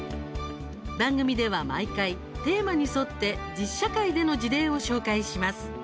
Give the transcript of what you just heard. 番組では毎回、テーマに沿って実社会での事例を紹介します。